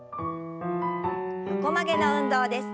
横曲げの運動です。